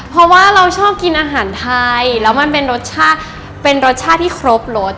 เพราะว่าเราชอบกินอาหารไทยแล้วมันเป็นรสชาติเป็นรสชาติที่ครบรส